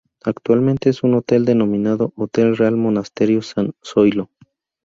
Actualmente es un hotel denominado "Hotel Real Monasterio San Zoilo".